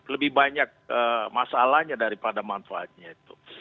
lebih banyak masalahnya daripada manfaatnya itu